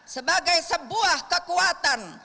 sebagai sebuah kekuatan